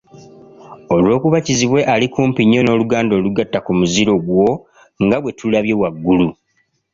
Olw’okuba Kizibwe ali kumpi nnyo n’oluganda olugatta ku muziro gwo nga bwe tulabye waggulu,